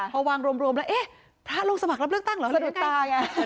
พอวางรวมแล้วเอ๊ะพระลงสมัครรับเลือกตั้งเหรอแล้วดวงตาไง